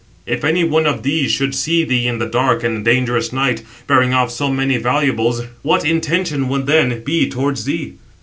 If any one of these should see thee in the dark and dangerous night, bearing off so many valuables, what intention would then be towards thee?